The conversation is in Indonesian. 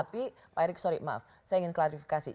tapi pak erick maaf saya ingin klasifikasi